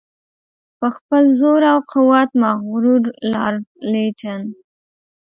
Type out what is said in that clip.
په خپل زور او قوت مغرور لارډ لیټن.